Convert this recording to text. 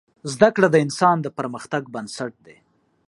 زده کړه د انسان د پرمختګ بنسټ دی.